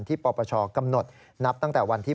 ปปชกำหนดนับตั้งแต่วันที่๑